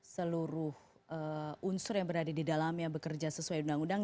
seluruh unsur yang berada di dalamnya bekerja sesuai undang undang